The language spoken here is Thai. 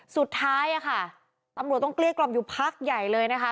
สุดท้ายค่ะตำรวจต้องเกลี้ยกล่อมอยู่พักใหญ่เลยนะคะ